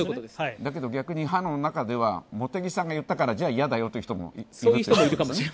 だけど、逆に派の中では茂木さんが言ったから嫌だよという人もいるかもしれない。